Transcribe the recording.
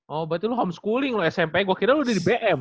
oh berarti lu homeschooling loh smp gue kira lo udah di bm